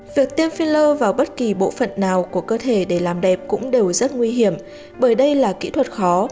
việc tiêm filler vào bất kỳ bộ phận nào của cơ thể để làm đẹp cũng đều rất nguy hiểm bởi đây là kỹ thuật khó